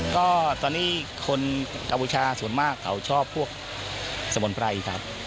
ก็ตอนนี้คนกัมพูชาส่วนมากเขาชอบพวกสมุนไพรครับ